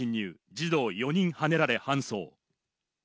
児童４人はねられ搬送。